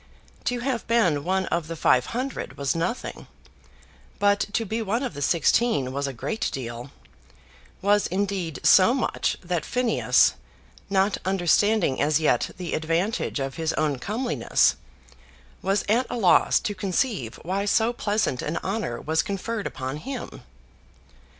To have been one of the five hundred was nothing; but to be one of the sixteen was a great deal, was indeed so much that Phineas, not understanding as yet the advantage of his own comeliness, was at a loss to conceive why so pleasant an honour was conferred upon him.